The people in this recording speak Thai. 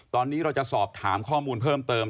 ตอนนี้เราจะสอบถามข้อมูลเพิ่มเติม